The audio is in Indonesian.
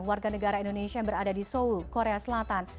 warga negara indonesia yang berada di seoul korea selatan